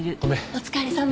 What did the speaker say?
お疲れさま。